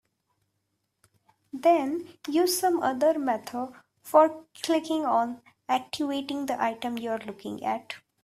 Then use some other method for clicking or "activating" the item you're looking at.